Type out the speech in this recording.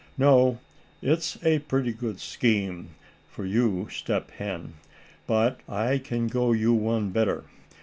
"No, it's a pretty good scheme for you, Step Hen; but I can go you one better.